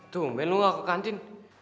tungguin lo gak ke kantin